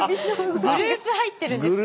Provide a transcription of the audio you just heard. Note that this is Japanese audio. グループ入ってるんですか？